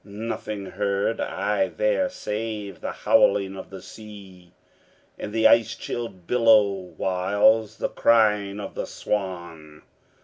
Nothing heard I there save the howling of the sea, And the ice chilled billow, 'whiles the crying of the swan.